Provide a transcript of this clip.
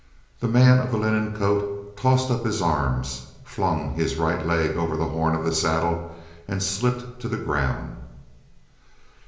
The man of the linen coat tossed up his arms, flung his right leg over the horn of the saddle, and slipped to the ground.